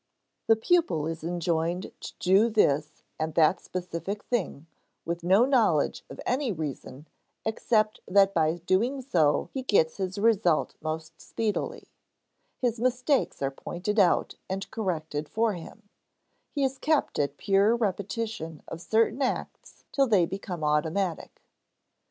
The pupil is enjoined to do this and that specific thing, with no knowledge of any reason except that by so doing he gets his result most speedily; his mistakes are pointed out and corrected for him; he is kept at pure repetition of certain acts till they become automatic.